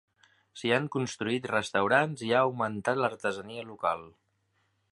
S'hi han construït restaurants i ha augmentat l'artesania local.